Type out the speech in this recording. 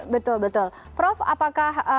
betul betul prof apakah